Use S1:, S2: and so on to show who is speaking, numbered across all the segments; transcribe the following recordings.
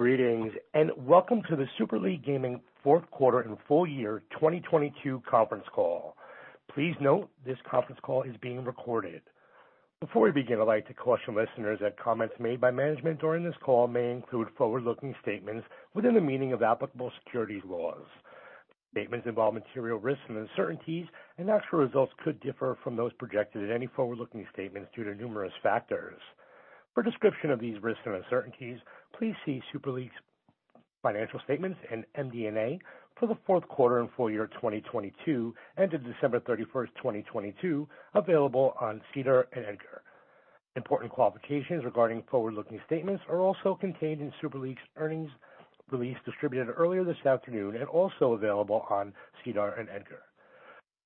S1: Greetings, and welcome to the Super League Gaming fourth quarter and full year 2022 conference call. Please note this conference call is being recorded. Before we begin, I'd like to caution listeners that comments made by management during this call may include forward-looking statements within the meaning of applicable securities laws. Statements involve material risks and uncertainties, and actual results could differ from those projected in any forward-looking statements due to numerous factors. For a description of these risks and uncertainties, please see Super League's financial statements and MD&A for the fourth quarter and full year 2022 and to December 31st, 2022, available on SEDAR and EDGAR. Important qualifications regarding forward-looking statements are also contained in Super League's earnings release distributed earlier this afternoon and also available on SEDAR and EDGAR.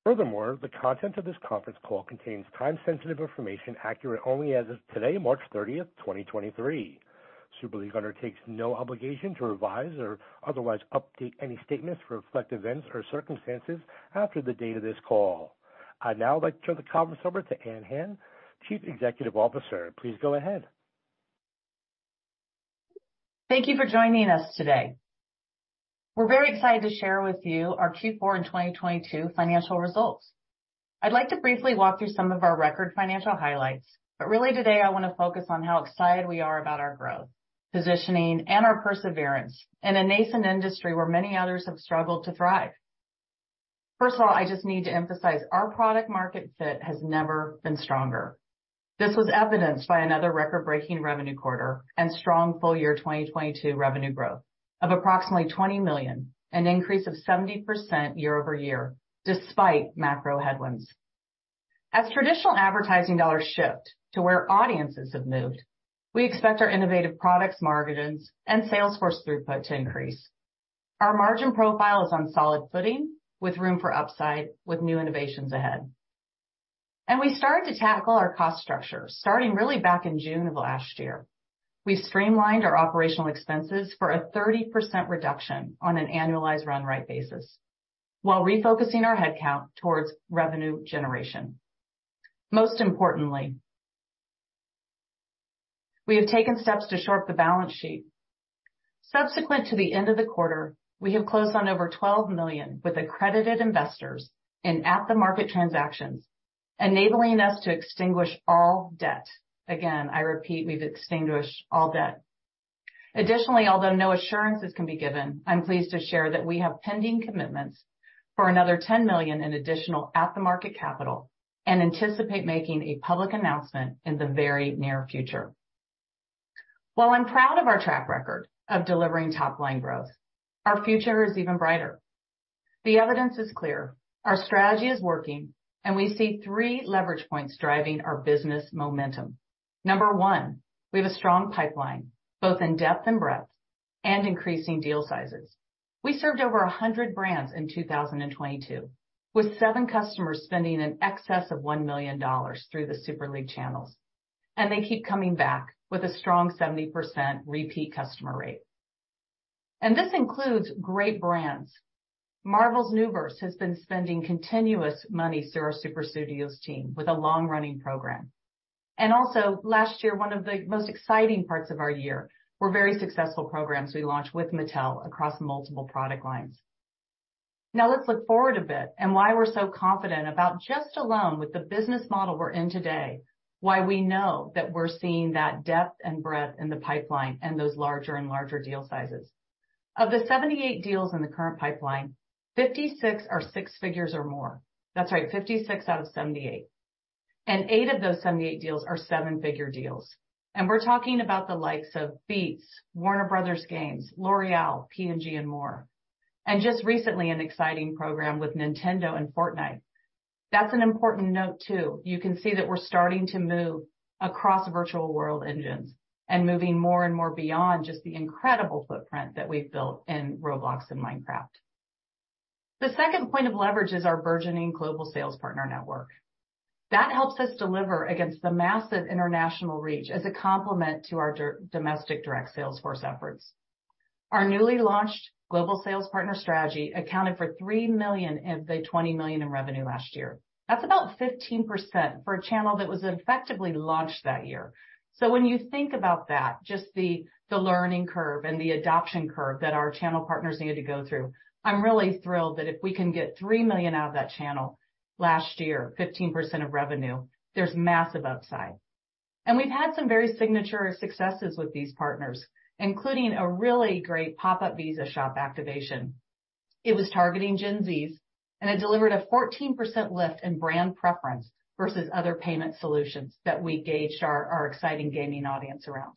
S1: Furthermore, the content of this conference call contains time-sensitive information accurate only as of today, March 30th, 2023. Super League undertakes no obligation to revise or otherwise update any statements to reflect events or circumstances after the date of this call. I'd now like to turn the conference over to Ann Hand, Chief Executive Officer. Please go ahead.
S2: Thank you for joining us today. We're very excited to share with you our Q4 in 2022 financial results. I'd like to briefly walk through some of our record financial highlights. Really today I wanna focus on how excited we are about our growth, positioning, and our perseverance in a nascent industry where many others have struggled to thrive. First of all, I just need to emphasize our product market fit has never been stronger. This was evidenced by another record-breaking revenue quarter and strong full year 2022 revenue growth of approximately $20 million, an increase of 70% year-over-year, despite macro headwinds. As traditional advertising dollars shift to where audiences have moved, we expect our innovative products, margins, and sales force throughput to increase. Our margin profile is on solid footing with room for upside with new innovations ahead. We started to tackle our cost structure, starting really back in June of last year. We streamlined our operational expenses for a 30% reduction on an annualized run rate basis while refocusing our headcount towards revenue generation. Most importantly, we have taken steps to shore up the balance sheet. Subsequent to the end of the quarter, we have closed on over $12 million with accredited investors in at-the-market transactions, enabling us to extinguish all debt. Again, I repeat, we've extinguished all debt. Additionally, although no assurances can be given, I'm pleased to share that we have pending commitments for another $10 million in additional at-the-market capital and anticipate making a public announcement in the very near future. While I'm proud of our track record of delivering top-line growth, our future is even brighter. The evidence is clear. Our strategy is working, and we see three leverage points driving our business momentum. Number one, we have a strong pipeline, both in depth and breadth, and increasing deal sizes. We served over 100 brands in 2022, with seven customers spending in excess of $1 million through the Super League channels, and they keep coming back with a strong 70% repeat customer rate. This includes great brands. Marvel's NewVerse has been spending continuous money through our Super Studios team with a long-running program. Also last year, one of the most exciting parts of our year, were very successful programs we launched with Mattel across multiple product lines. Let's look forward a bit and why we're so confident about just alone with the business model we're in today, why we know that we're seeing that depth and breadth in the pipeline and those larger and larger deal sizes. Of the 78 deals in the current pipeline, 56 are six figures or more. That's right, 56 out of 78 and eight of those 78 deals are seven-figure deals. We're talking about the likes of Beats, Warner Bros. Games, L'Oréal, P&G, and more. Just recently, an exciting program with Nintendo and Fortnite. That's an important note too. You can see that we're starting to move across virtual world engines and moving more and more beyond just the incredible footprint that we've built in Roblox and Minecraft. The second point of leverage is our burgeoning global sales partner network. That helps us deliver against the massive international reach as a complement to our domestic direct sales force efforts. Our newly launched global sales partner strategy accounted for $3 million of the $20 million in revenue last year. That's about 15% for a channel that was effectively launched that year. When you think about that, just the learning curve and the adoption curve that our channel partners needed to go through, I'm really thrilled that if we can get $3 million out of that channel last year, 15% of revenue, there's massive upside. We've had some very signature successes with these partners, including a really great pop-up Visa shop activation. It was targeting Gen Z's, and it delivered a 14% lift in brand preference versus other payment solutions that we gauged our exciting gaming audience around.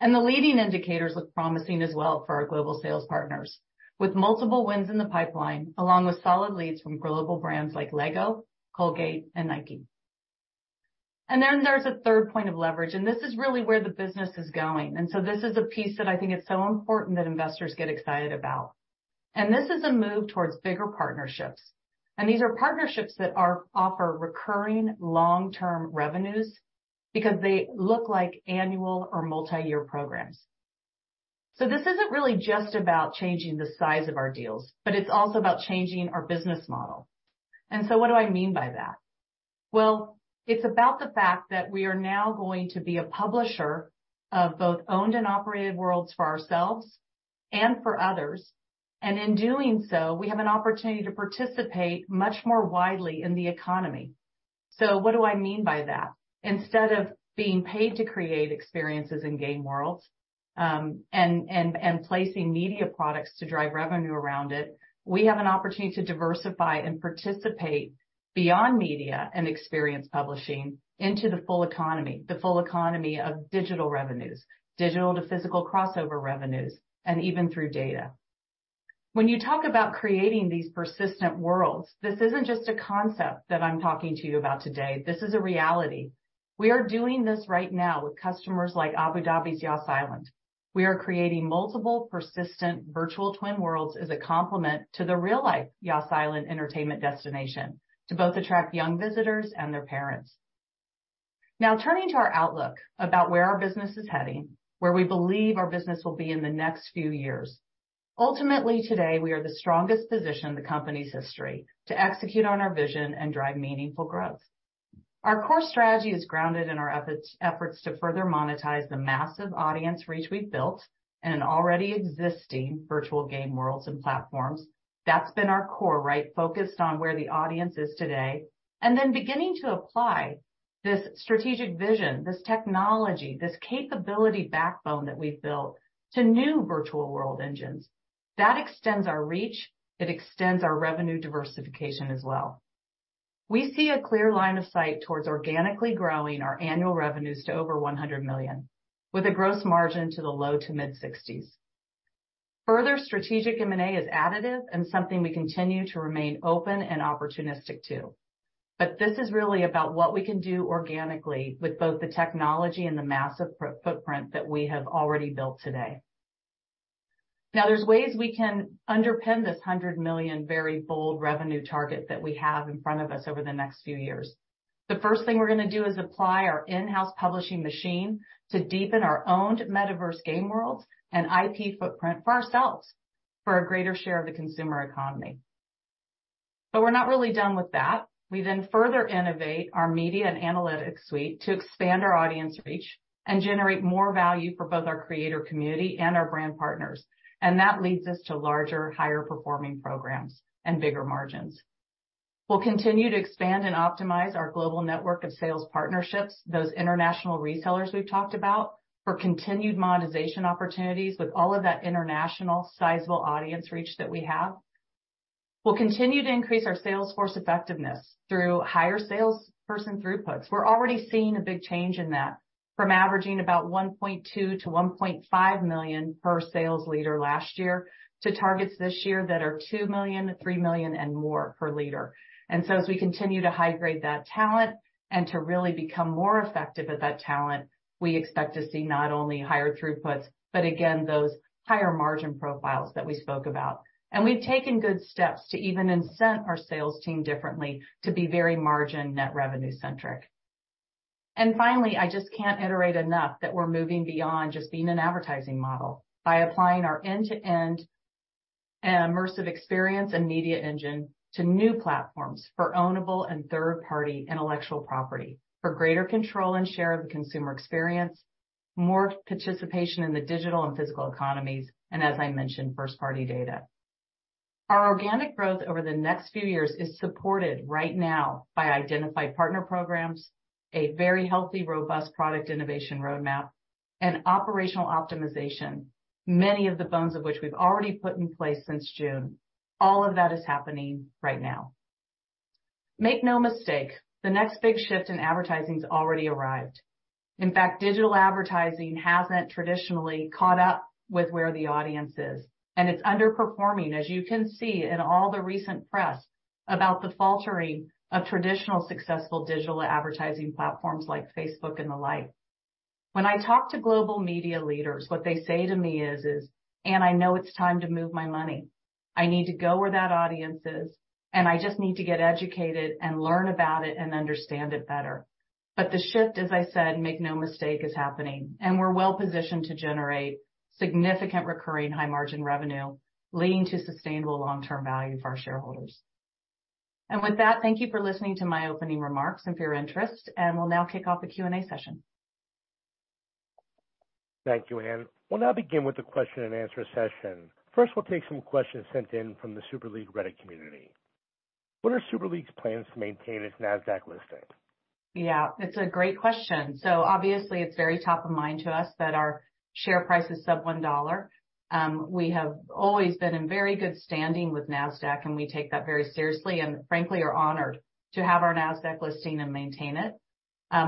S2: The leading indicators look promising as well for our global sales partners, with multiple wins in the pipeline, along with solid leads from global brands like LEGO, Colgate, and Nike. Then there's a third point of leverage, and this is really where the business is going. This is a piece that I think it's so important that investors get excited about. This is a move towards bigger partnerships. These are partnerships that offer recurring long-term revenues because they look like annual or multiyear programs. So this isn't really just about changing the size of our deals, but it's also about changing our business model. What do I mean by that? Well, it's about the fact that we are now going to be a publisher of both owned and operated worlds for ourselves and for others. In doing so, we have an opportunity to participate much more widely in the economy. What do I mean by that? Instead of being paid to create experiences in game worlds, and placing media products to drive revenue around it, we have an opportunity to diversify and participate beyond media and experience publishing into the full economy, the full economy of digital revenues, digital to physical crossover revenues, and even through data. When you talk about creating these persistent worlds, this isn't just a concept that I'm talking to you about today. This is a reality. We are doing this right now with customers like Abu Dhabi's Yas Island. We are creating multiple persistent virtual twin worlds as a complement to the real-life Yas Island entertainment destination to both attract young visitors and their parents. Now, turning to our outlook about where our business is heading, where we believe our business will be in the next few years. Ultimately, today, we are the strongest position in the company's history to execute on our vision and drive meaningful growth. Our core strategy is grounded in our efforts to further monetize the massive audience reach we've built in an already existing virtual game worlds and platforms. That's been our core, right? Focused on where the audience is today, and then beginning to apply this strategic vision, this technology, this capability backbone that we've built to new virtual world engines. That extends our reach. It extends our revenue diversification as well. We see a clear line of sight towards organically growing our annual revenues to over $100 million, with a gross margin to the low to mid-60s. Further strategic M&A is additive and something we continue to remain open and opportunistic to. This is really about what we can do organically with both the technology and the massive footprint that we have already built today. There's ways we can underpin this $100 million very bold revenue target that we have in front of us over the next few years. The first thing we're gonna do is apply our in-house publishing machine to deepen our owned metaverse game worlds and IP footprint for ourselves for a greater share of the consumer economy. We're not really done with that. We then further innovate our media and analytics suite to expand our audience reach and generate more value for both our creator community and our brand partners and that leads us to larger, higher-performing programs and bigger margins. We'll continue to expand and optimize our global network of sales partnerships, those international resellers we've talked about, for continued monetization opportunities with all of that international sizable audience reach that we have. We'll continue to increase our sales force effectiveness through higher sales person throughputs. We're already seeing a big change in that from averaging about $1.2 million-$1.5 million per sales leader last year to targets this year that are $2 million-$3 million and more per leader. As we continue to high grade that talent and to really become more effective at that talent, we expect to see not only higher throughputs, but again, those higher margin profiles that we spoke about. We've taken good steps to even incent our sales team differently to be very margin net revenue centric. Finally, I just can't iterate enough that we're moving beyond just being an advertising model by applying our end-to-end immersive experience and media engine to new platforms for ownable and third-party intellectual property for greater control and share of the consumer experience, more participation in the digital and physical economies, and as I mentioned, first-party data. Our organic growth over the next few years is supported right now by identified partner programs, a very healthy, robust product innovation roadmap, and operational optimization, many of the bones of which we've already put in place since June. All of that is happening right now. Make no mistake, the next big shift in advertising has already arrived. In fact, digital advertising hasn't traditionally caught up with where the audience is, and it's underperforming, as you can see in all the recent press about the faltering of traditional successful digital advertising platforms like Facebook and the like. When I talk to global media leaders, what they say to me is, "Ann, I know it's time to move my money. I need to go where that audience is, and I just need to get educated and learn about it and understand it better." But the shift, as I said, make no mistake, is happening, and we're well-positioned to generate significant recurring high-margin revenue leading to sustainable long-term value for our shareholders. With that, thank you for listening to my opening remarks and for your interest, and we'll now kick off the Q&A session.
S1: Thank you, Ann. We'll now begin with the question and answer session. First, we'll take some questions sent in from the Super League Reddit community. What are Super League's plans to maintain its Nasdaq listing?
S2: Yeah, it's a great question. Obviously, it's very top of mind to us that our share price is sub $1. We have always been in very good standing with Nasdaq and we take that very seriously and frankly, are honored to have our Nasdaq listing and maintain it.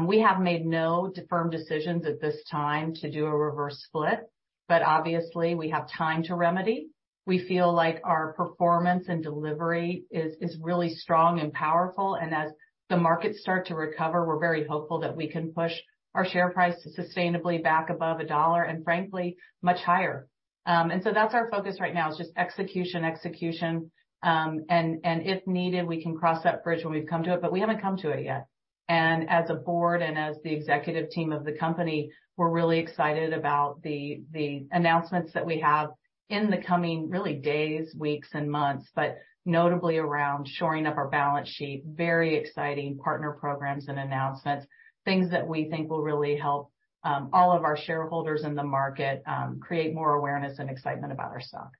S2: We have made no firm decisions at this time to do a reverse split, but obviously, we have time to remedy. We feel like our performance and delivery is really strong and powerful and as the markets start to recover, we're very hopeful that we can push our share price to sustainably back above $1 and frankly, much higher. That's our focus right now is just execution, execution and if needed, we can cross that bridge when we come to it, but we haven't come to it yet. As a board and as the executive team of the company, we're really excited about the announcements that we have in the coming really days, weeks and months, but notably around shoring up our balance sheet, very exciting partner programs and announcements, things that we think will really help all of our shareholders in the market create more awareness and excitement about our stock.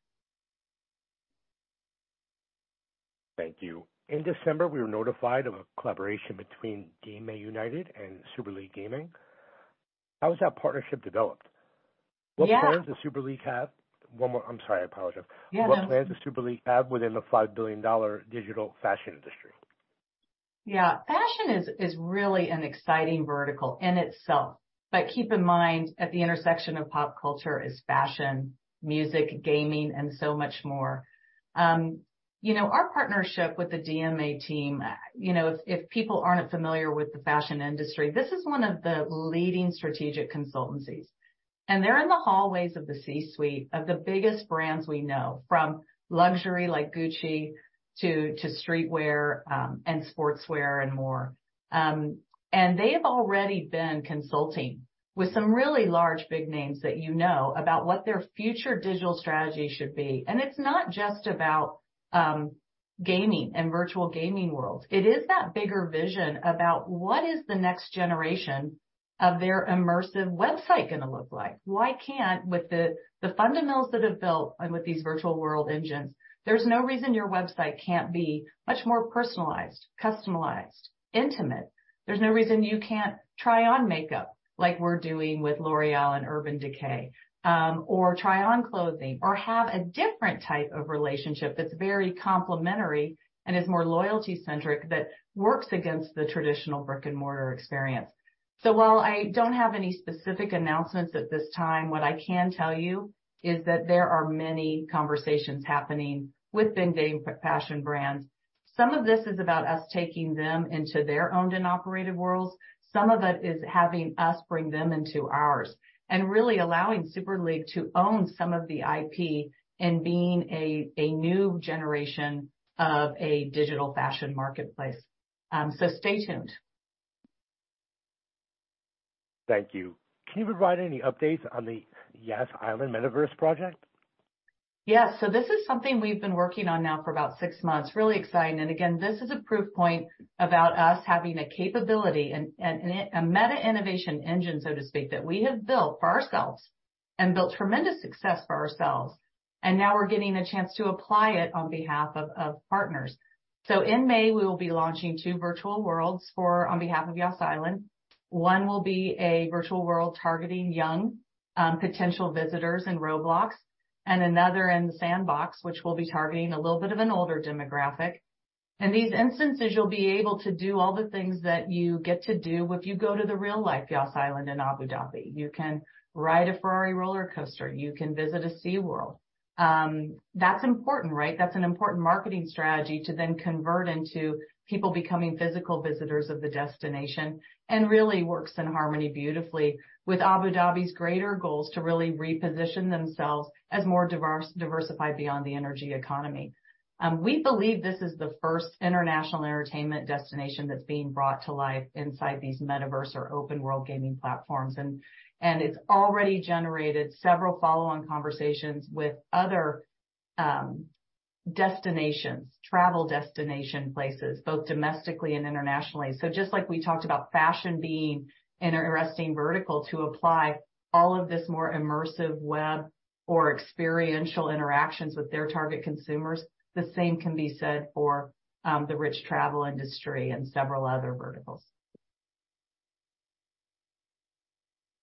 S1: Thank you. In December, we were notified of a collaboration between DMA United and Super League Gaming. How has that partnership developed?
S2: Yeah-
S1: One more. I'm sorry, I apologize.
S2: Yeah.
S1: What plans does Super League have within the $5 billion digital fashion industry?
S2: Yeah. Fashion is really an exciting vertical in itself, but keep in mind, at the intersection of pop culture is fashion, music, gaming, and so much more. you know, our partnership with the DMA team, you know, if people aren't familiar with the fashion industry, this is one of the leading strategic consultancies. They're in the hallways of the C-suite of the biggest brands we know, from luxury like Gucci to streetwear, and sportswear and more. They've already been consulting with some really large, big names that you know about what their future digital strategy should be and it's not just about gaming and virtual gaming worlds. It is that bigger vision about what is the next generation of their immersive website gonna look like. Why can't, with the fundamentals that have built and with these virtual world engines, there's no reason your website can't be much more personalized, customized, intimate. There's no reason you can't try on makeup like we're doing with L'Oréal and Urban Decay, or try on clothing or have a different type of relationship that's very complementary and is more loyalty-centric that works against the traditional brick-and-mortar experience. While I don't have any specific announcements at this time, what I can tell you is that there are many conversations happening within gaming fashion brands. Some of this is about us taking them into their owned and operated worlds. Some of it is having us bring them into ours and really allowing Super League to own some of the IP and being a new generation of a digital fashion marketplace, so stay tuned.
S1: Thank you. Can you provide any updates on the Yas Island Metaverse project?
S2: Yes. This is something we've been working on now for about six months. Really exciting. Again, this is a proof point about us having a capability and a meta innovation engine, so to speak, that we have built for ourselves and built tremendous success for ourselves. Now we're getting a chance to apply it on behalf of partners. In May, we will be launching two virtual worlds on behalf of Yas Island. One will be a virtual world targeting young potential visitors in Roblox, and another in The Sandbox, which will be targeting a little bit of an older demographic. In these instances, you'll be able to do all the things that you get to do if you go to the real-life Yas Island in Abu Dhabi. You can ride a Ferrari roller coaster, you can visit a SeaWorld. That's important, right? That's an important marketing strategy to then convert into people becoming physical visitors of the destination and really works in harmony beautifully with Abu Dhabi's greater goals to really reposition themselves as more diversified beyond the energy economy. We believe this is the first international entertainment destination that's being brought to life inside these metaverse or open-world gaming platforms and it's already generated several follow-on conversations with other destinations, travel destination places, both domestically and internationally. Just like we talked about fashion being an interesting vertical to apply all of this more immersive web or experiential interactions with their target consumers, the same can be said for the rich travel industry and several other verticals.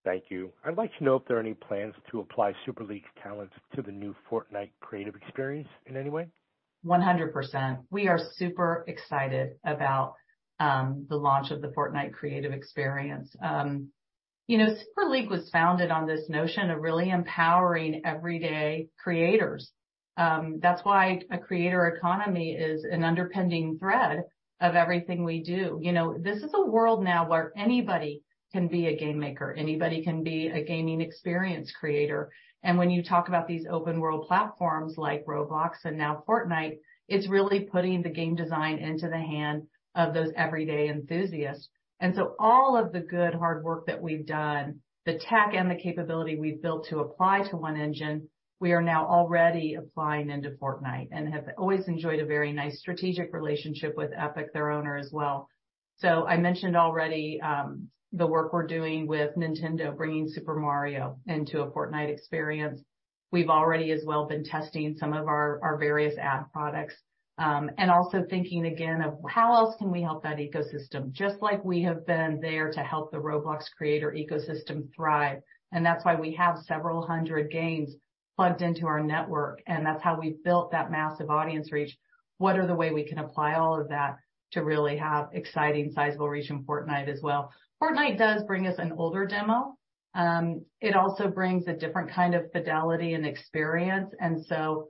S1: Thank you. I'd like to know if there are any plans to apply Super League's talents to the new Fortnite Creative experience in any way?
S2: 100%. We are super excited about the launch of the Fortnite Creative experience. You know, Super League was founded on this notion of really empowering everyday creators. That's why a creator economy is an underpinning thread of everything we do. You know, this is a world now where anybody can be a game maker, anybody can be a gaming experience creator. When you talk about these open world platforms like Roblox and now Fortnite, it's really putting the game design into the hand of those everyday enthusiasts. All of the good, hard work that we've done, the tech and the capability we've built to apply to one engine, we are now already applying into Fortnite and have always enjoyed a very nice strategic relationship with Epic, their owner as well. I mentioned already, the work we're doing with Nintendo, bringing Super Mario into a Fortnite experience. We've already as well been testing some of our various ad products, and also thinking again of how else can we help that ecosystem? Just like we have been there to help the Roblox creator ecosystem thrive, and that's why we have several hundred games plugged into our network, and that's how we've built that massive audience reach. What are the way we can apply all of that to really have exciting sizable reach in Fortnite as well? Fortnite does bring us an older demo. It also brings a different kind of fidelity and experience and so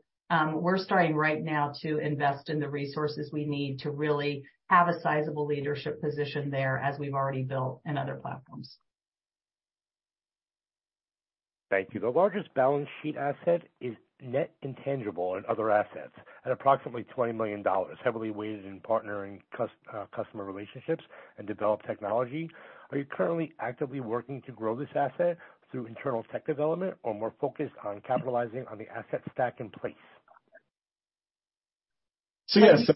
S2: we're starting right now to invest in the resources we need to really have a sizable leadership position there as we've already built in other platforms.
S1: Thank you. The largest balance sheet asset is net intangible in other assets at approximately $20 million, heavily weighted in partnering customer relationships and developed technology. Are you currently actively working to grow this asset through internal tech development or more focused on capitalizing on the asset stack in place?
S3: Yes.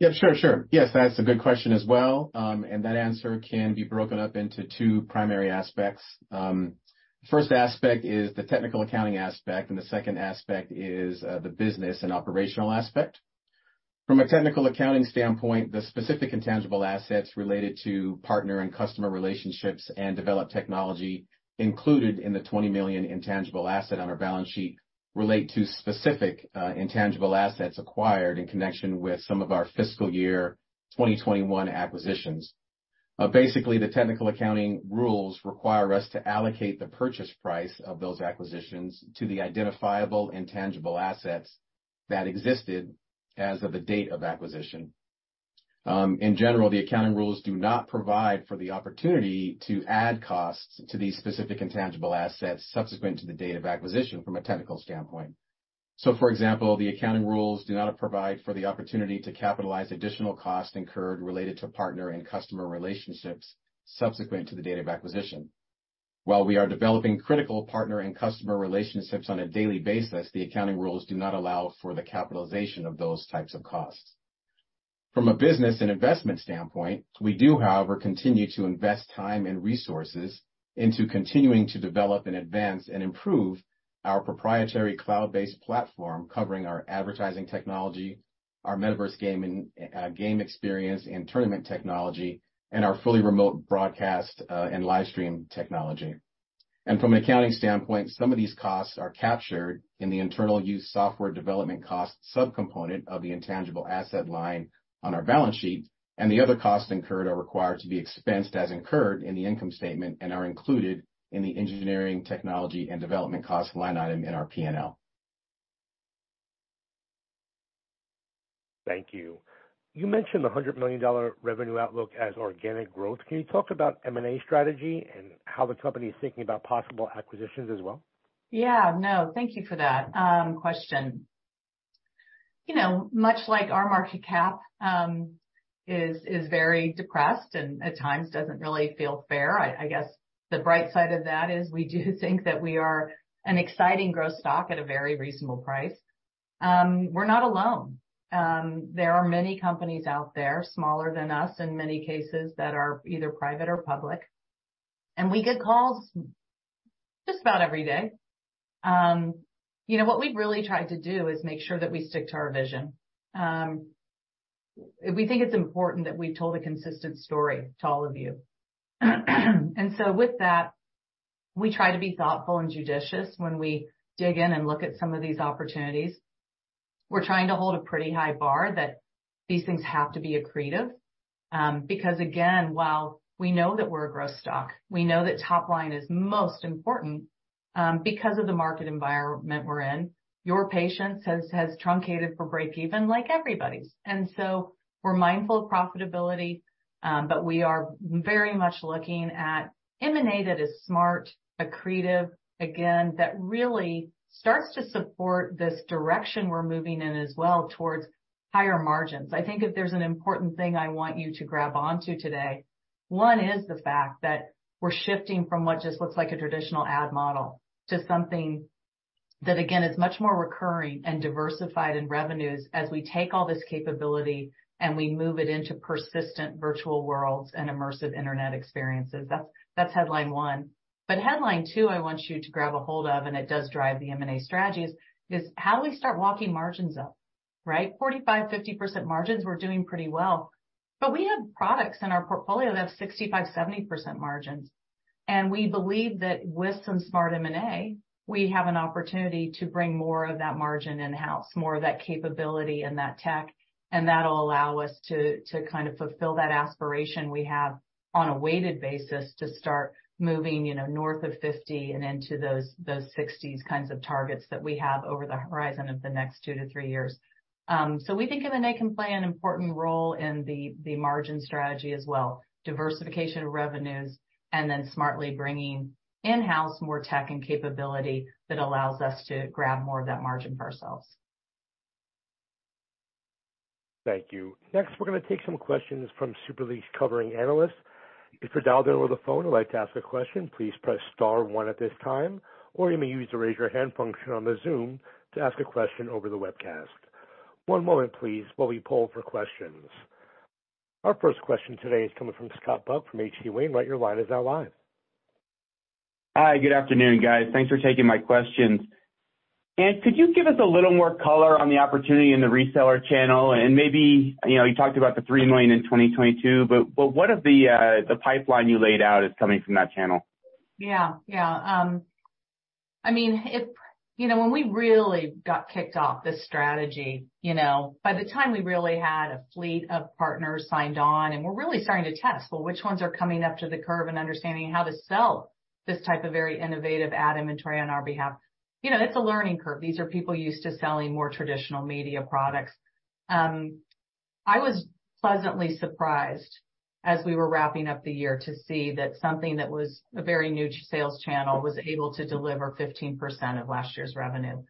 S3: Yeah, sure. Yes, that's a good question as well and that answer can be broken up into two primary aspects. First aspect is the technical accounting aspect, and the second aspect is the business and operational aspect. From a technical accounting standpoint, the specific intangible assets related to partner and customer relationships and developed technology included in the $20 million intangible asset on our balance sheet relate to specific intangible assets acquired in connection with some of our fiscal year 2021 acquisitions. Basically, the technical accounting rules require us to allocate the purchase price of those acquisitions to the identifiable intangible assets that existed as of the date of acquisition. In general, the accounting rules do not provide for the opportunity to add costs to these specific intangible assets subsequent to the date of acquisition from a technical standpoint. For example, the accounting rules do not provide for the opportunity to capitalize additional costs incurred related to partner and customer relationships subsequent to the date of acquisition. While we are developing critical partner and customer relationships on a daily basis, the accounting rules do not allow for the capitalization of those types of costs. From a business and investment standpoint, we do, however, continue to invest time and resources into continuing to develop in advance and improve our proprietary cloud-based platform covering our advertising technology, our metaverse gaming game experience and tournament technology, and our fully remote broadcast and live stream technology. From an accounting standpoint, some of these costs are captured in the internal use software development cost subcomponent of the intangible asset line on our balance sheet, and the other costs incurred are required to be expensed as incurred in the income statement and are included in the engineering, technology and development cost line item in our P&L.
S1: Thank you. You mentioned the $100 million revenue outlook as organic growth. Can you talk about M&A strategy and how the company is thinking about possible acquisitions as well?
S2: Yeah, no, thank you for that question. You know, much like our market cap is very depressed and at times doesn't really feel fair. I guess the bright side of that is we do think that we are an exciting growth stock at a very reasonable price. We're not alone. There are many companies out there smaller than us in many cases that are either private or public, and we get calls just about every day. You know, what we've really tried to do is make sure that we stick to our vision. We think it's important that we've told a consistent story to all of you and so with that, we try to be thoughtful and judicious when we dig in and look at some of these opportunities. We're trying to hold a pretty high bar that these things have to be accretive, because again, while we know that we're a growth stock, we know that top line is most important, because of the market environment we're in. Your patience has truncated for breakeven like everybody's. We're mindful of profitability, but we are very much looking at M&A that is smart, accretive, again, that really starts to support this direction we're moving in as well towards higher margins. I think if there's an important thing I want you to grab onto today, one is the fact that we're shifting from what just looks like a traditional ad model to something that again is much more recurring and diversified in revenues as we take all this capability and we move it into persistent virtual worlds and immersive internet experiences. That's, that's headline one. Headline two I want you to grab a hold of, and it does drive the M&A strategies, is how do we start walking margins up, right? 45%-50% margins, we're doing pretty well. We have products in our portfolio that have 65%-70% margins and we believe that with some smart M&A, we have an opportunity to bring more of that margin in-house, more of that capability and that tech, and that'll allow us to kind of fulfill that aspiration we have on a weighted basis to start moving, you know, north of 50 and into those 60s kinds of targets that we have over the horizon of the next two to three years. We think M&A can play an important role in the margin strategy as well. Diversification of revenues and then smartly bringing in-house more tech and capability that allows us to grab more of that margin for ourselves.
S1: Thank you. Next, we're gonna take some questions from Super League's covering analysts. If you're dialed in over the phone and would like to ask a question, please press star one at this time, or you may use the Raise Your Hand function on the Zoom to ask a question over the webcast. One moment please while we poll for questions. Our first question today is coming from Scott Buck from H.C. Wainwright. Your line is now live.
S4: Hi, good afternoon, guys. Thanks for taking my questions. Ann, could you give us a little more color on the opportunity in the reseller channel? And maybe, you know, you talked about the $3 million in 2022, but what of the pipeline you laid out is coming from that channel?
S2: Yeah. Yeah. I mean, you know, when we really got kicked off this strategy, you know, by the time we really had a fleet of partners signed on, and we're really starting to test, well, which ones are coming up to the curve and understanding how to sell this type of very innovative ad inventory on our behalf. You know, it's a learning curve. These are people used to selling more traditional media products. I was pleasantly surprised as we were wrapping up the year to see that something that was a very new to sales channel was able to deliver 15% of last year's revenue.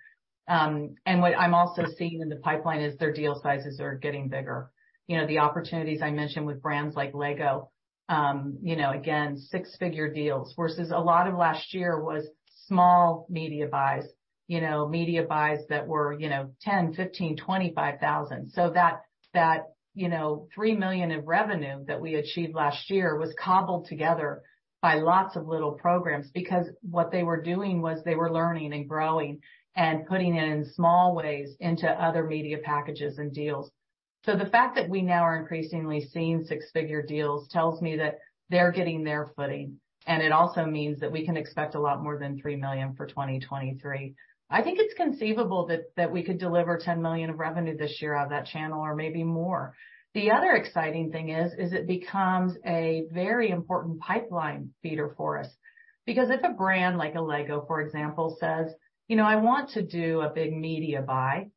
S2: What I'm also seeing in the pipeline is their deal sizes are getting bigger. You know, the opportunities I mentioned with brands like LEGO, you know, again, six-figure deals versus a lot of last year was small media buys. You know, media buys that were, you know, $10,000, $15,000, $25,000. That, you know, $3 million in revenue that we achieved last year was cobbled together by lots of little programs because what they were doing was they were learning and growing and putting it in small ways into other media packages and deals. So the fact that we now are increasingly seeing six-figure deals tells me that they're getting their footing, and it also means that we can expect a lot more than $3 million for 2023. I think it's conceivable that we could deliver $10 million of revenue this year out of that channel or maybe more. The other exciting thing is it becomes a very important pipeline feeder for us. Because if a brand like a LEGO, for example, says, "You know, I want to do a big media buy,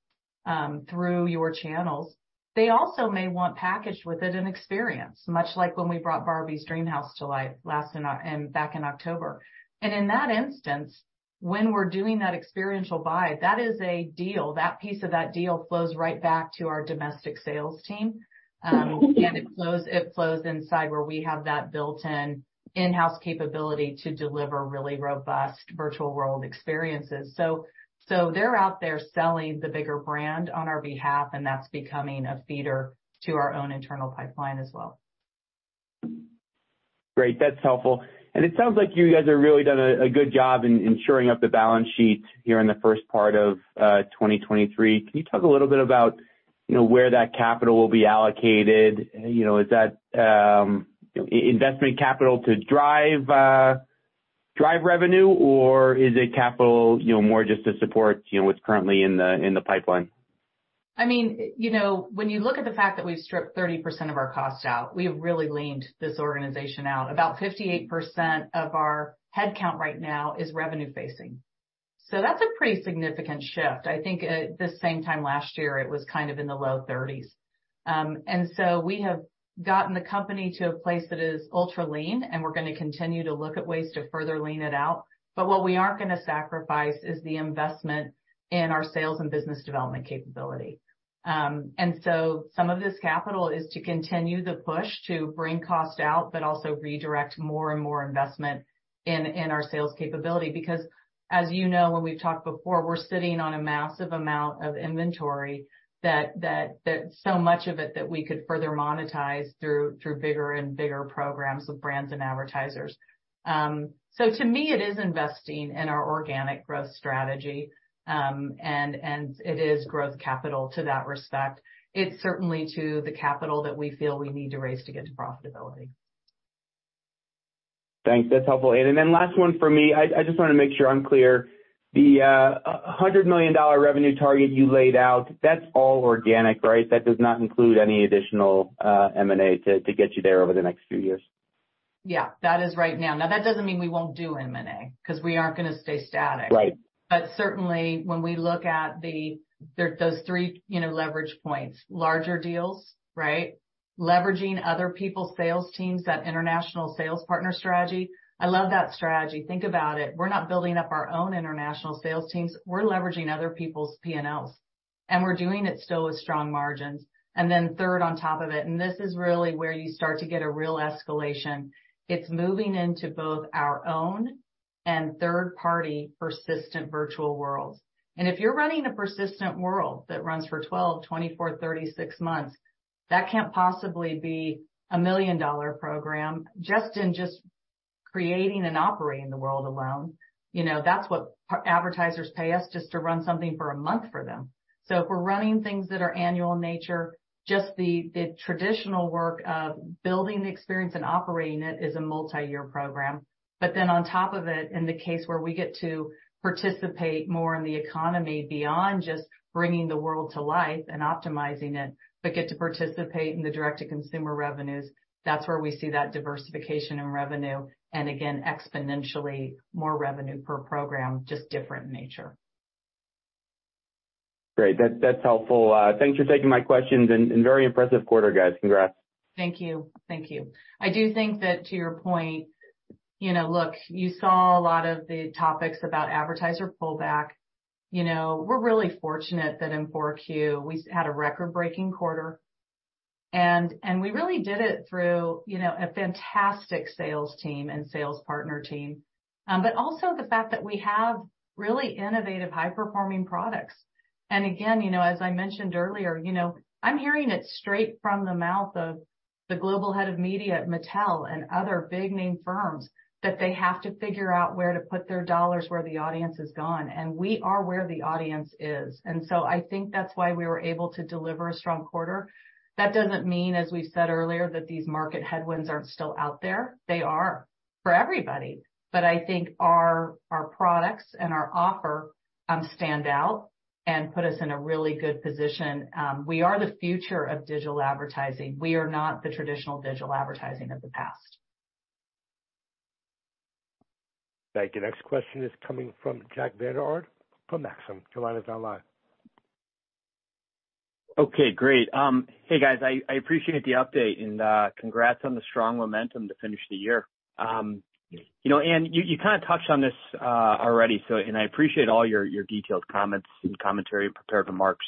S2: through your channels," they also may want packaged with it an experience, much like when we brought Barbie Dreamhouse to life back in October. In that instance, when we're doing that experiential buy, that is a deal. That piece of that deal flows right back to our domestic sales team and it flows inside where we have that built-in in-house capability to deliver really robust virtual world experiences. They're out there selling the bigger brand on our behalf, and that's becoming a feeder to our own internal pipeline as well.
S4: Great. That's helpful. It sounds like you guys have really done a good job in shoring up the balance sheet here in the first part of 2023. Can you talk a little bit about, you know, where that capital will be allocated? You know, is that investment capital to drive revenue or is it capital, you know, more just to support, you know, what's currently in the pipeline?
S2: I mean, you know, when you look at the fact that we've stripped 30% of our costs out, we have really leaned this organization out. About 58% of our headcount right now is revenue facing. So that's a pretty significant shift. I think at this same time last year it was kind of in the low 30s and so we have gotten the company to a place that is ultra lean, and we're gonna continue to look at ways to further lean it out. What we aren't gonna sacrifice is the investment in our sales and business development capability. Some of this capital is to continue the push to bring cost out, but also redirect more and more investment in our sales capability. Because as you know, when we've talked before, we're sitting on a massive amount of inventory that so much of it that we could further monetize through bigger and bigger programs with brands and advertisers. To me, it is investing in our organic growth strategy, and it is growth capital to that respect. It's certainly to the capital that we feel we need to raise to get to profitability.
S4: Thanks. That's helpful. Last one for me. I just wanna make sure I'm clear. The $100 million revenue target you laid out, that's all organic, right? That does not include any additional M&A to get you there over the next few years.
S2: Yeah. That is right now. Now, that doesn't mean we won't do M&A because we aren't gonna stay static.
S4: Right.
S2: But certainly when we look at the those three, you know, leverage points, larger deals, right? Leveraging other people's sales teams, that international sales partner strategy. I love that strategy. Think about it. We're not building up our own international sales teams. We're leveraging other people's P&Ls, and we're doing it still with strong margins. Then third on top of it, and this is really where you start to get a real escalation. It's moving into both our own and third party persistent virtual worlds. If you're running a persistent world that runs for 12, 24, 36 months, that can't possibly be a million-dollar program just and just creating and operating the world alone. You know, that's what advertisers pay us just to run something for a month for them. If we're running things that are annual in nature, just the traditional work of building the experience and operating it is a multi-year program. But then on top of it, in the case where we get to participate more in the economy beyond just bringing the world to life and optimizing it, but get to participate in the direct-to-consumer revenues, that's where we see that diversification in revenue, and again, exponentially more revenue per program, just different in nature.
S4: Great. That's helpful. Thanks for taking my questions and very impressive quarter, guys. Congrats.
S2: Thank you. Thank you. I do think that to your point, you know, look, you saw a lot of the topics about advertiser pullback. You know, we're really fortunate that in four Q we had a record-breaking quarter, and we really did it through, you know, a fantastic sales team and sales partner team, but also the fact that we have really innovative, high-performing products. Again, you know, as I mentioned earlier, you know, I'm hearing it straight from the mouth of the global head of media at Mattel and other big name firms that they have to figure out where to put their dollars, where the audience has gone, and we are where the audience is. So I think that's why we were able to deliver a strong quarter. That doesn't mean, as we said earlier, that these market headwinds aren't still out there. They are for everybody, but I think our products and our offer stand out and put us in a really good position. We are the future of digital advertising. We are not the traditional digital advertising of the past.
S1: Thank you. Next question is coming from Jack Vander Aarde from Maxim. Your line is now live.
S5: Okay, great. Hey guys, I appreciate the update and congrats on the strong momentum to finish the year. You know, Ann, you kinda touched on this already, so. I appreciate all your detailed comments and commentary, prepared remarks.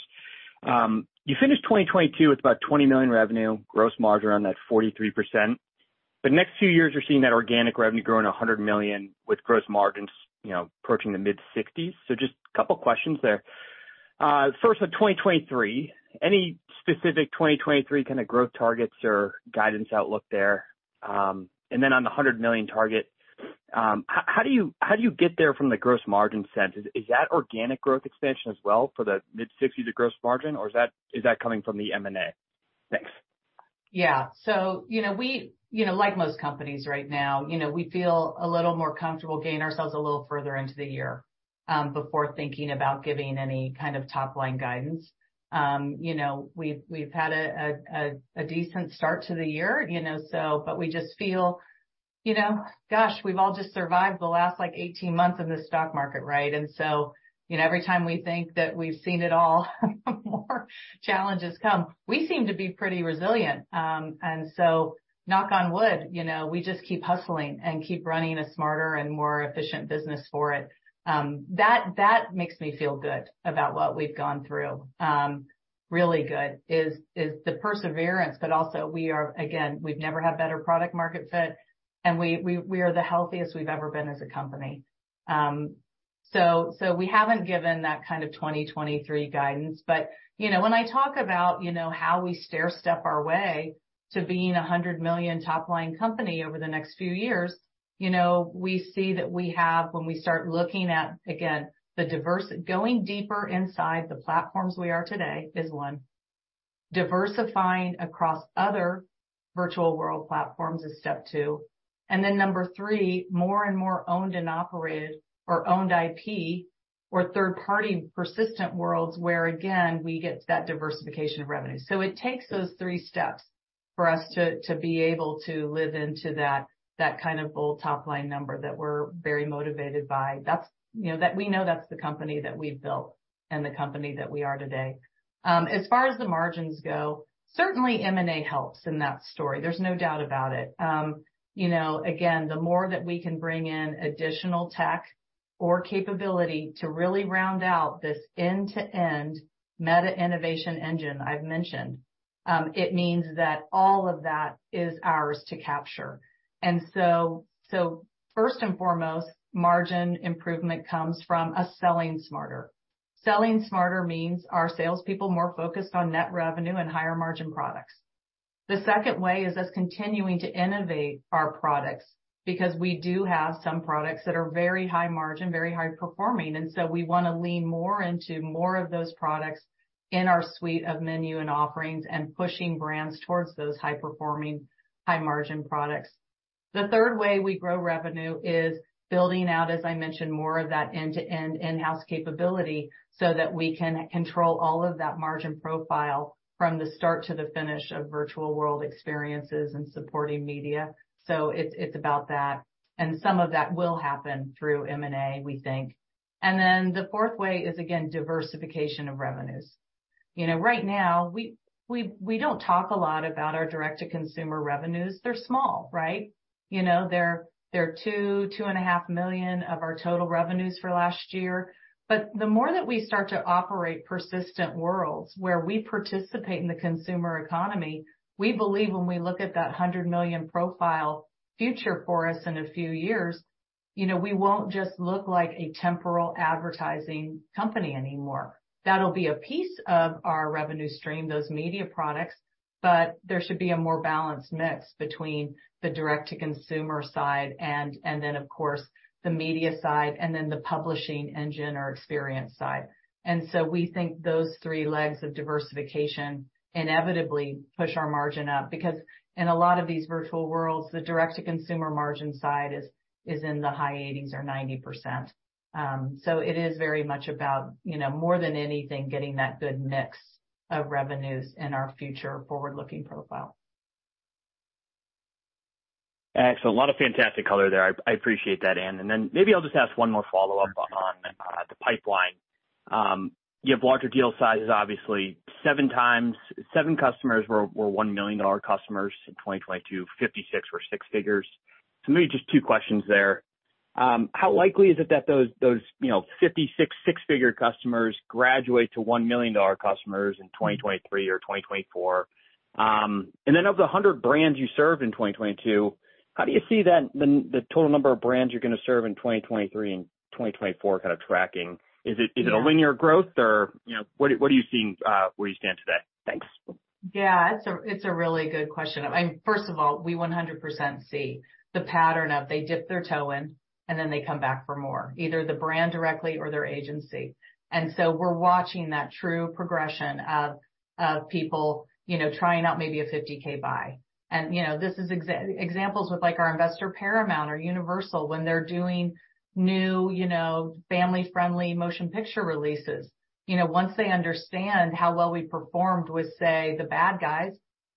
S5: You finished 2022 with about $20 million revenue, gross margin around that 43%. The next few years, you're seeing that organic revenue growing $100 million with gross margins, you know, approaching the mid-60s, so just a couple questions there. First on 2023, any specific 2023 kinda growth targets or guidance outlook there? And then on the $100 million target, how do you get there from the gross margin sense? Is that organic growth expansion as well for the mid-60s of gross margin, or is that coming from the M&A? Thanks.
S2: Yeah. you know, we, you know, like most companies right now, you know, we feel a little more comfortable getting ourselves a little further into the year before thinking about giving any kind of top-line guidance. You know, we've had a decent start to the year, you know. we just feel, you know, gosh, we've all just survived the last, like, 18 months in this stock market, right? and so you know, every time we think that we've seen it all, more challenges come. We seem to be pretty resilient and so knock on wood, you know, we just keep hustling and keep running a smarter and more efficient business for it. That makes me feel good about what we've gone through. Really good is the perseverance, but also we are again, we've never had better product market fit, and we are the healthiest we've ever been as a company. We haven't given that kind of 2023 guidance. You know, when I talk about, you know, how we stairstep our way to being a $100 million top-line company over the next few years, you know, we see that we have when we start looking at, again, going deeper inside the platforms we are today is one. Diversifying across other virtual world platforms is step two. Then number three, more and more owned and operated or owned IP or third-party persistent worlds where, again, we get that diversification of revenue. It takes those three steps for us to be able to live into that kind of bold top-line number that we're very motivated by. That's, you know, that we know that's the company that we've built and the company that we are today. As far as the margins go, certainly M&A helps in that story. There's no doubt about it. You know, again, the more that we can bring in additional tech or capability to really round out this end-to-end meta innovation engine I've mentioned, it means that all of that is ours to capture. First and foremost, margin improvement comes from us selling smarter. Selling smarter means our salespeople more focused on net revenue and higher margin products. The second way is us continuing to innovate our products, because we do have some products that are very high margin, very high performing, and so we wanna lean more into more of those products in our suite of menu and offerings, and pushing brands towards those high-performing, high-margin products. The third way we grow revenue is building out, as I mentioned, more of that end-to-end in-house capability so that we can control all of that margin profile from the start to the finish of virtual world experiences and supporting media. It's about that, and some of that will happen through M&A, we think. The fourth way is, again, diversification of revenues. You know, right now, we don't talk a lot about our direct-to-consumer revenues. They're small, right? You know, they're two and a half million dollars of our total revenues for last year, but the more that we start to operate persistent worlds where we participate in the consumer economy, we believe when we look at that $100 million profile future for us in a few years, you know, we won't just look like a temporal advertising company anymore. That'll be a piece of our revenue stream, those media products, but there should be a more balanced mix between the direct-to-consumer side and then of course the media side, and then the publishing engine or experience side. We think those three legs of diversification inevitably push our margin up because in a lot of these virtual worlds, the direct-to-consumer margin side is in the high 80% or 90%. It is very much about, you know, more than anything, getting that good mix of revenues in our future forward-looking profile.
S5: Excellent. A lot of fantastic color there. I appreciate that, Ann Hand. Then maybe I'll just ask one more follow-up on the pipeline. You have larger deal sizes, obviously. Seven customers were $1 million customers in 2022, 56 were six figures. Maybe just two questions there. How likely is it that those, you know, 56 six-figure customers graduate to $1 million customers in 2023 or 2024? Then of the 100 brands you served in 2022, how do you see that, the total number of brands you're gonna serve in 2023 and 2024 kind of tracking? Is it a linear growth? Or, you know, what are you seeing where you stand today? Thanks.
S2: Yeah. It's a really good question. I mean, first of all, we 100% see the pattern of they dip their toe in, and then they come back for more, either the brand directly or their agency. We're watching that true progression of people, you know, trying out maybe a $50K buy. You know, this is examples with like our investor Paramount or Universal when they're doing new, you know, family-friendly motion picture releases. You know, once they understand how well we performed with, say, The Bad Guys.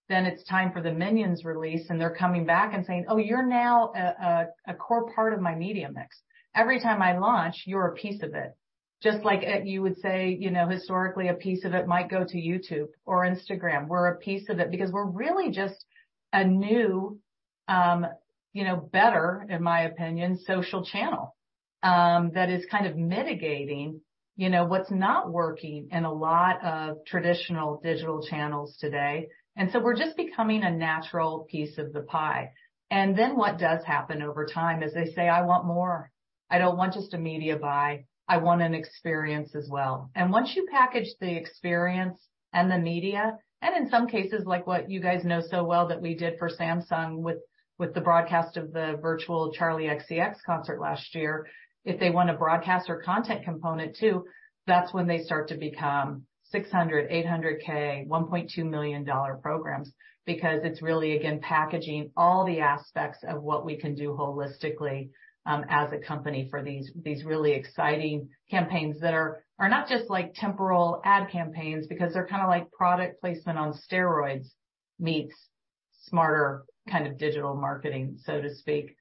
S2: It's time for the Minions release, and they're coming back and saying, "Oh, you're now a core part of my media mix. Every time I launch, you're a piece of it." Just like you would say, you know, historically, a piece of it might go to YouTube or Instagram. We're a piece of it because we're really just a new, you know, better, in my opinion, social channel, that is kind of mitigating, you know, what's not working in a lot of traditional digital channels today and so we're just becoming a natural piece of the pie and then what does happen over time is they say, "I want more. I don't want just a media buy. I want an experience as well." Once you package the experience and the media, and in some cases like what you guys know so well that we did for Samsung with the broadcast of the virtual Charli XCX concert last year, if they want a broadcast or content component too, that's when they start to become $600K, $800K, $1.2 million programs. It's really, again, packaging all the aspects of what we can do holistically, as a company for these really exciting campaigns that are not just like temporal ad campaigns because they're kinda like product placement on steroids meets smarter kind of digital marketing, so to speak.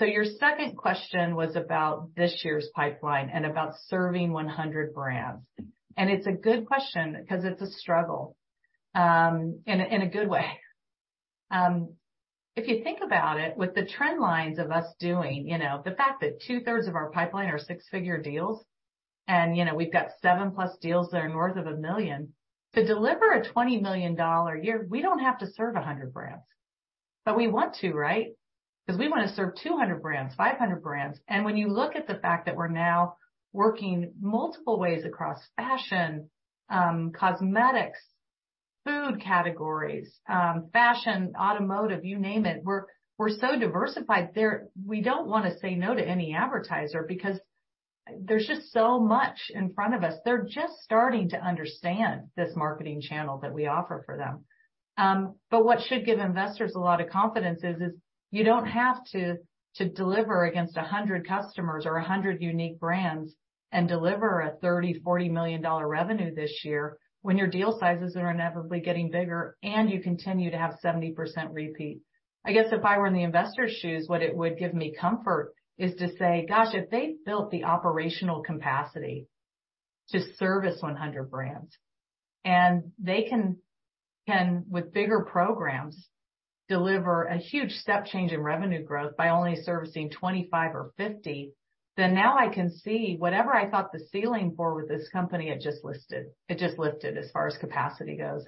S2: Your second question was about this year's pipeline and about serving 100 brands. It's a good question because it's a struggle in a good way. If you think about it, with the trend lines of us doing, you know, the fact that two-thirds of our pipeline are six-figure deals, and, you know, we've got seven plus deals that are north of $1 million, to deliver a $20 million year, we don't have to serve 100 brands. We want to, right? We wanna serve 200 brands, 500 brands. When you look at the fact that we're now working multiple ways across fashion, cosmetics, food categories, fashion, automotive, you name it, we're so diversified there, we don't wanna say no to any advertiser because there's just so much in front of us. They're just starting to understand this marketing channel that we offer for them. What should give investors a lot of confidence is you don't have to deliver against 100 customers or 100 unique brands and deliver a $30 million-$40 million revenue this year when your deal sizes are inevitably getting bigger and you continue to have 70% repeat. I guess if I were in the investor's shoes, what it would give me comfort is to say, "Gosh, if they've built the operational capacity to service 100 brands, and they can, with bigger programs, deliver a huge step change in revenue growth by only servicing 25 or 50, then now I can see whatever I thought the ceiling for with this company, it just listed. It just lifted as far as capacity goes."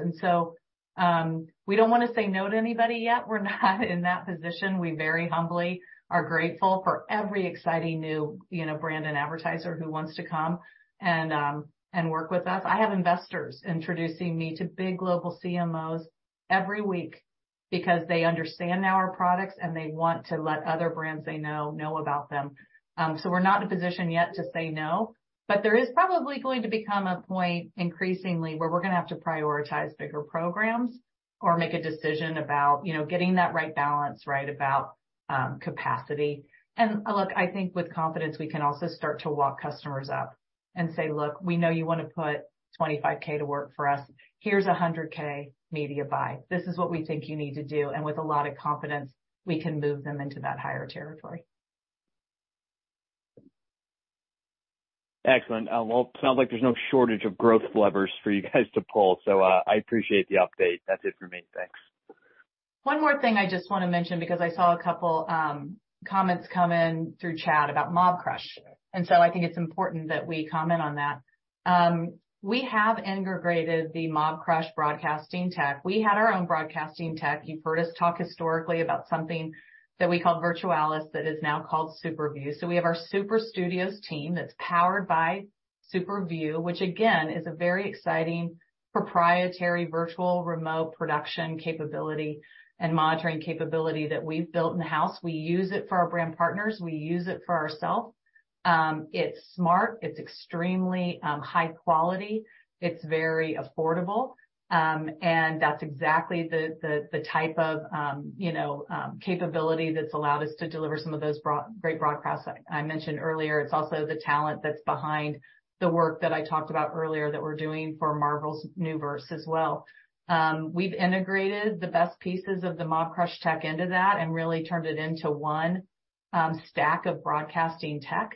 S2: We don't wanna say no to anybody yet. We're not in that position. We very humbly are grateful for every exciting new, you know, brand and advertiser who wants to come and work with us. I have investors introducing me to big global CMOs every week because they understand now our products, and they want to let other brands they know know about them. We're not in a position yet to say no, but there is probably going to become a point increasingly where we're gonna have to prioritize bigger programs or make a decision about, you know, getting that right balance, right, about capacity. Look, I think with confidence, we can also start to walk customers up and say, "Look, we know you wanna put $25K to work for us. Here's a $100K media buy. This is what we think you need to do." With a lot of confidence, we can move them into that higher territory.
S5: Excellent. Well, sounds like there's no shortage of growth levers for you guys to pull, I appreciate the update. That's it for me. Thanks.
S2: One more thing I just wanna mention because I saw a couple comments come in through chat about Mobcrush, and so I think it's important that we comment on that. We have integrated the Mobcrush broadcasting tech. We had our own broadcasting tech. You've heard us talk historically about something that we called Virtualis that is now called SuperView. We have our Super Studios team that's powered by SuperView, which again is a very exciting proprietary virtual remote production capability and monitoring capability that we've built in-house. We use it for our brand partners. We use it for ourself. It's smart, it's extremely high quality. It's very affordable, and that's exactly the type of, you know, capability that's allowed us to deliver some of those great broadcasts I mentioned earlier. It's also the talent that's behind the work that I talked about earlier that we're doing for Marvel's NewVerse as well. We've integrated the best pieces of the Mobcrush tech into that and really turned it into one stack of broadcasting tech.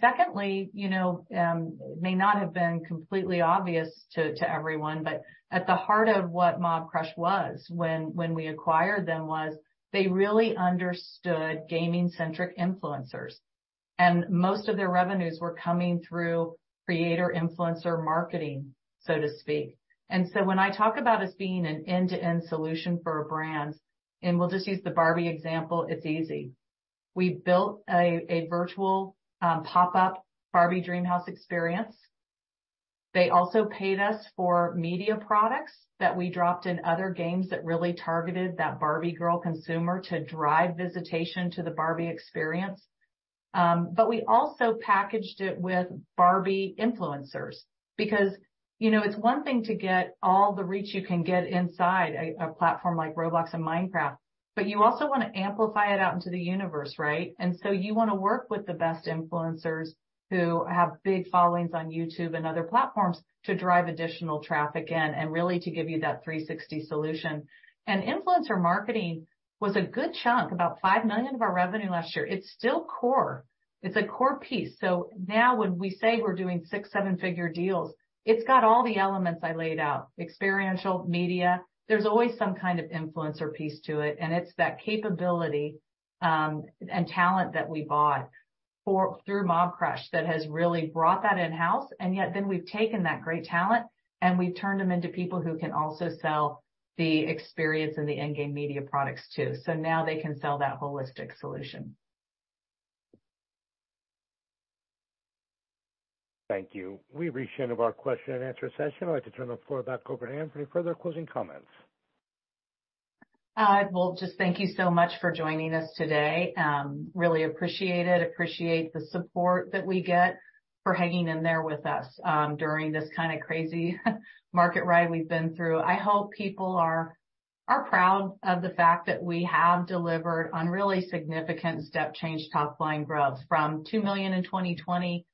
S2: Secondly, you know, it may not have been completely obvious to everyone, but at the heart of what Mobcrush was when we acquired them was they really understood gaming-centric influencers, and most of their revenues were coming through creator influencer marketing, so to speak. When I talk about us being an end-to-end solution for a brand, and we'll just use the Barbie example, it's easy. We built a virtual pop-up Barbie Dreamhouse experience. They also paid us for media products that we dropped in other games that really targeted that Barbie girl consumer to drive visitation to the Barbie experience. We also packaged it with Barbie influencers because, you know, it's one thing to get all the reach you can get inside a platform like Roblox and Minecraft, but you also wanna amplify it out into the universe, right? and so you wanna work with the best influencers who have big followings on YouTube and other platforms to drive additional traffic in and really to give you that 360 solution. Influencer marketing was a good chunk, about $5 million of our revenue last year. It's still core. It's a core piece. Now when we say we're doing six to seven figure deals, it's got all the elements I laid out, experiential media. There's always some kind of influencer piece to it, and it's that capability, and talent that we bought through Mobcrush that has really brought that in-house. Yet then we've taken that great talent, and we've turned them into people who can also sell the experience in the in-game media products too. Now they can sell that holistic solution.
S1: Thank you. We've reached the end of our question and answer session. I'd like to turn the floor back over to Ann for any further closing comments.
S2: Well, just thank you so much for joining us today. Really appreciate it. Appreciate the support that we get for hanging in there with us, during this kind of crazy market ride we've been through. I hope people are proud of the fact that we have delivered on really significant step change top line growth from $2 million in 2020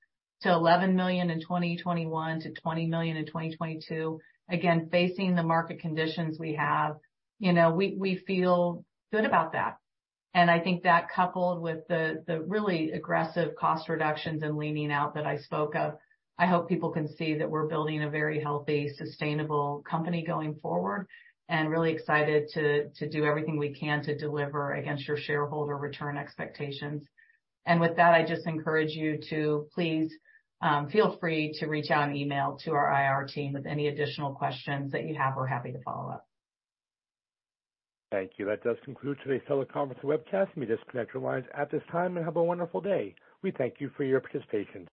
S2: to $11 million in 2021 to $20 million in 2022. Again, facing the market conditions we have, you know, we feel good about that. I think that coupled with the really aggressive cost reductions and leaning out that I spoke of, I hope people can see that we're building a very healthy, sustainable company going forward and really excited to do everything we can to deliver against your shareholder return expectations. With that, I just encourage you to please, feel free to reach out an email to our IR team with any additional questions that you have. We're happy to follow up.
S1: Thank you. That does conclude today's teleconference and webcast. You may disconnect your lines at this time and have a wonderful day. We thank you for your participation.